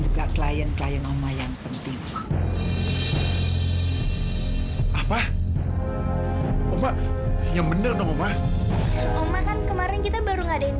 juga klien klien oma yang penting apa oba yang bener dong obama oma kan kemarin kita baru ngadain